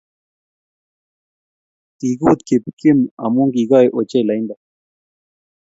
Kiguut kip Kim, amu kigool ochei lainda